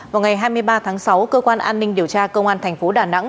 vào ngày hai mươi ba tháng sáu cơ quan an ninh điều tra công an thành phố đà nẵng